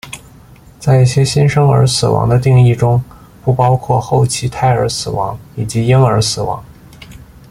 在一些新生儿死亡的定义中不包括后期胎儿死亡以及婴儿死亡。